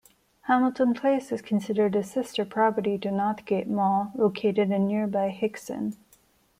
Hamilton Place is considered a sister property to Northgate Mall, located in nearby Hixson.